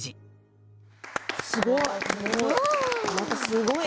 すごい。